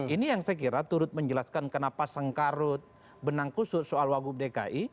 ini yang saya kira turut menjelaskan kenapa sengkarut benang kusut soal wagub dki